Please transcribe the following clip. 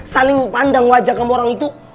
saling memandang wajah kamu orang itu